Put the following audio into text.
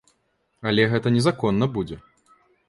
Але гэта незаконна будзе.